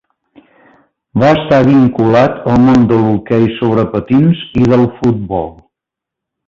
Va estar vinculat al món de l'hoquei sobre patins i del futbol.